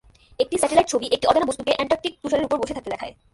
একটি স্যাটেলাইট ছবি একটি অজানা বস্তুকে অ্যান্টার্কটিক তুষারের উপর বসে থাকতে দেখায়।